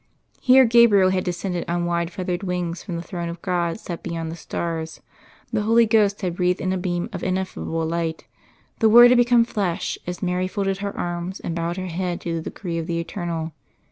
Here Gabriel had descended on wide feathered wings from the Throne of God set beyond the stars, the Holy Ghost had breathed in a beam of ineffable light, the Word had become Flesh as Mary folded her arms and bowed her head to the decree of the Eternal.